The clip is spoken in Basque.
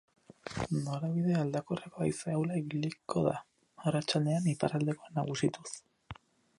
Norabide aldakorreko haize ahula ibiliko da, arratsaldean iparraldekoa nagusituz.